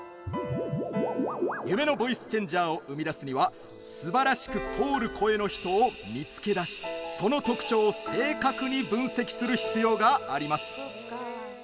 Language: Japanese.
夢のボイスチェンジャーを生み出すにはすばらしく通る声の人を見つけ出し、その特徴を正確に分析する必要があります。